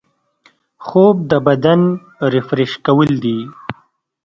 خوب د بدن ریفریش کول دي